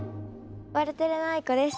ワルテレのあいこです。